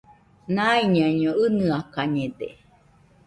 Naiñaiño ɨnɨakañede